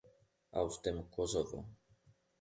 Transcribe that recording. Aus dem Kosovo.